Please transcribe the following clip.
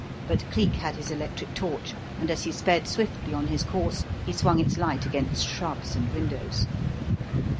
But Cleek had his electric torch and as he sped swiftly on his course he swung its light against shrubs and windows.